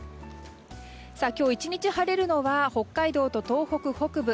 今日１日晴れるのは北海道と東北北部